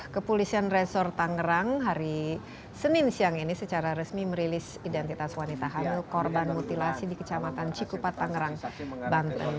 kepolisian resor tangerang hari senin siang ini secara resmi merilis identitas wanita hamil korban mutilasi di kecamatan cikupa tangerang banten